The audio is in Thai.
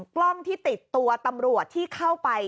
กล้องที่ติดตัวตำรวจที่เข้าไป